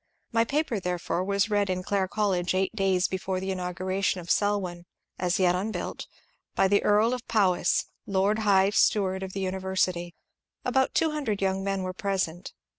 My paper, therefore, was read in Clare College eight days before the inauguration of Selwyn, as yet unbuilt, by the Earl of Powys, Lord High Steward of the University. About two hundred young men were present.